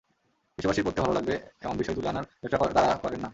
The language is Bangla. বিশ্ববাসীর পড়তে ভালো লাগবে—এমন বিষয় তুলে আনার ব্যবসা তাঁরা করেন না।